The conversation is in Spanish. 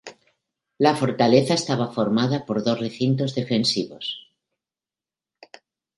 La fortaleza estaba formada por dos recintos defensivos.